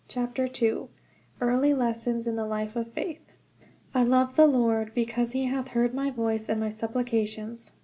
'" II EARLY LESSONS IN THE LIFE OF FAITH "I love the Lord, because he hath heard my voice and my supplications."